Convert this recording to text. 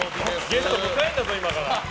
ゲスト迎えるんだぞ、今から。